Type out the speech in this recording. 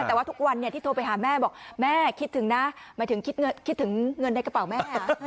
แต่ว่าทุกวันที่โทรไปหาแม่บอกแม่คิดถึงนะหมายถึงคิดถึงเงินในกระเป๋าแม่